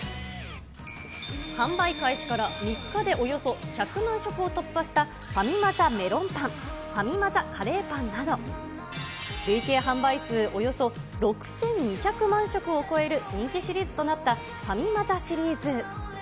販売開始から３日でおよそ１００万食を突破したファミマ・ザ・メロンパン、ファミマ・ザ・カレーパンなど、累計販売数およそ６２００万食を超える人気シリーズとなったファミマ・ザ・シリーズ。